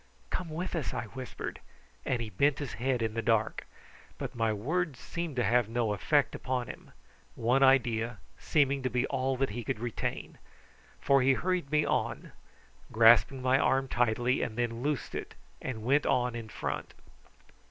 "Come with us," I whispered, and he bent his head in the dark; but my words seemed to have no effect upon him, one idea seeming to be all that he could retain, for he hurried me on, grasping my arm tightly, and then loosed it and went on in front.